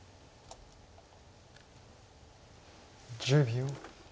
１０秒。